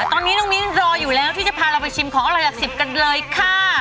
ตอนนี้น้องมิ้นรออยู่แล้วที่จะพาเราไปชิมของอร่อยหลักสิบกันเลยค่ะ